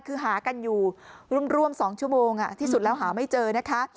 คือหากันอยู่ร่วม๒ชั่วโมงที่สุดแล้วหาไม่เจอนะคะ